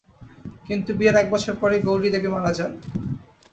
কিন্তু বিয়ের এক বছর পরই গৌরী দেবী মারা যান।